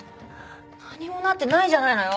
何もなってないじゃないのよ！